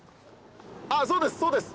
そうですそうです。